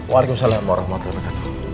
waalaikumsalam warahmatullahi wabarakatuh